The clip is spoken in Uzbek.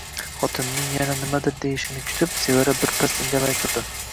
Xotinning yana nimadir deyishini kutib, Sevara bir pas indamay turdi